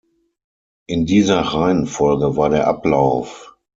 In dieser Reihenfolge war der Ablauf.